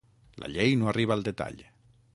La llei no arriba al detall.